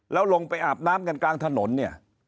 แล้วลงไปอาบน้ำกลางถนน